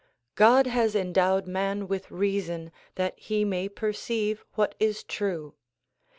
God has en dowed man with reason that he may perceive what is true.